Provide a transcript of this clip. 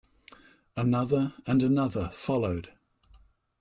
Another and another followed.